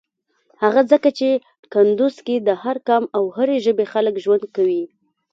هغه ځکه چی کندوز کی د هر قام او هری ژبی خلک ژوند کویی.